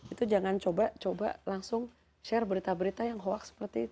itu jangan coba coba langsung share berita berita yang hoax seperti itu